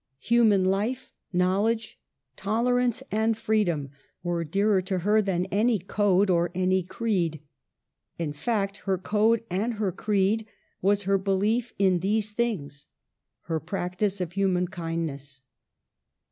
Hu man life, knowledge, tolerance, and freedom were dearer to her than any code or any creed. In fact, her code and her creed was her belief in these things ; her practice of human kindness.